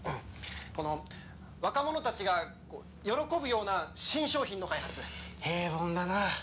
この若者たちが喜ぶような新商品の開発。